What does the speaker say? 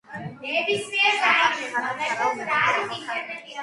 წინამძღოლის ასარჩევად ღმერთმა ხვთისშვილთა ძალა გამოსცადა.